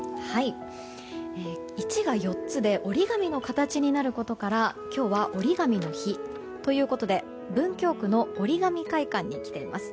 １が４つで折り紙の形になることから今日はおりがみの日ということで文京区のおりがみ会館に来ています。